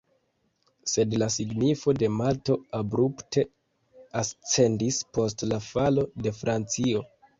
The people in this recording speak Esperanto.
Sed la signifo de Malto abrupte ascendis post la falo de Francio.